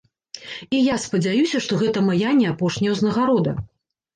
І я спадзяюся, што гэта мая не апошняя ўзнагарода.